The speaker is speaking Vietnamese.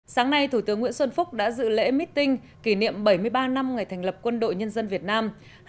sáng nay thủ tướng nguyễn xuân phúc đã dự lễ meeting kỷ niệm bảy mươi ba năm ngày thành lập quân đội nhân dân việt nam